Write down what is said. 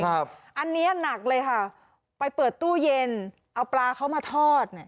ครับอันนี้หนักเลยค่ะไปเปิดตู้เย็นเอาปลาเข้ามาทอด